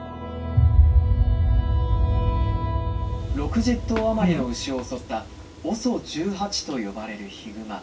「６０頭余りの牛を襲ったＯＳＯ１８と呼ばれるヒグマ。